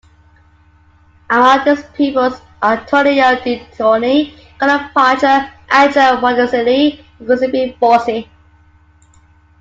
Among his pupils are Antonio De Antoni, Carlo Prajer, Angelo Monticelli, and Giuseppe Bossi.